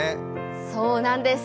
そうなんです。